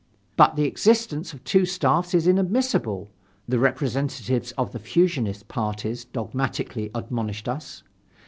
"But the existence of two staffs is inadmissible," the representatives of the fusionist parties dogmatically admonished us.